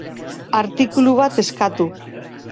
Artikulu bat eskatu